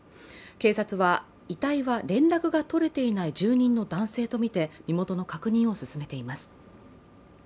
警察は、遺体は連絡が取れていない住人の男性とみて身元の確認を進めています。